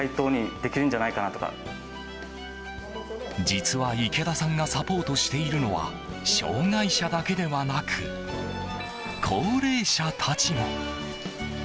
実は、池田さんがサポートしているのは障害者だけではなく高齢者たちも。